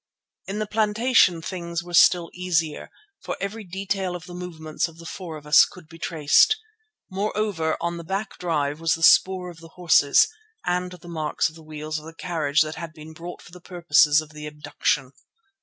In the plantation things were still easier, for every detail of the movements of the four of us could be traced. Moreover, on the back drive was the spoor of the horses and the marks of the wheels of the carriage that had been brought for the purposes of the abduction.